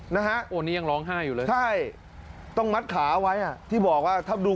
นะฮะโอ้นี่ยังร้องไห้อยู่เลยใช่ต้องมัดขาไว้อ่ะที่บอกว่าถ้าดู